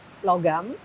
sio kerbao logam